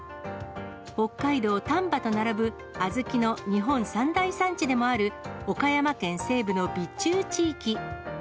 北海道、丹波と並ぶ、小豆の日本三大産地でもある、岡山県西部の備中地域。